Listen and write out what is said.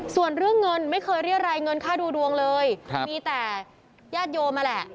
ส่วนเรื่องเงินไม่เคยเรียกรายเงินค่าดูดวงเลยมีแต่ญาติโยมนั่นแหละ